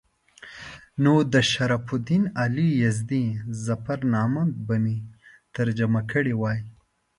نو د شرف الدین علي یزدي ظفرنامه به مې ترجمه کړې وای.